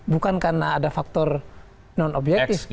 bukan karena ada faktor non objektif